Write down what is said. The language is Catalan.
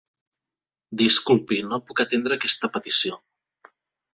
Disculpi, no puc atendre aquesta petició.